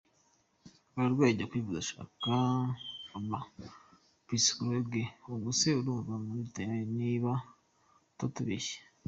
Urarwaye jya kwivuza shaka aba psychologues ubwo c urunva muri tayali, niba utatubeshye.